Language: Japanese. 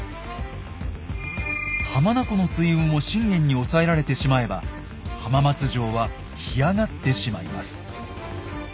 浜名湖の水運を信玄に押さえられてしまえば浜松城は干上がってしまいます。